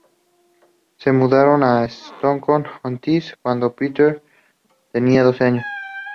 Se mudaron a Stockton-on-Tees cuando Pertwee tenía doce años.